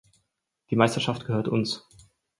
Die Meisterschaft gehört uns!